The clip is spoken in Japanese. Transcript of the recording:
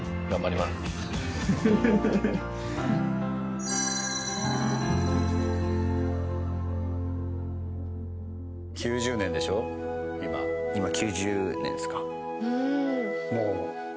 今９０年ですか。